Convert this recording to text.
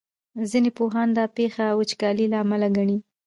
ځینې پوهان دا پېښه وچکالۍ له امله ګڼي.